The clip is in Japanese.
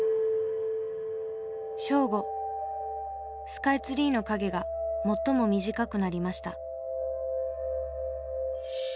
スカイツリーの影が最も短くなりました。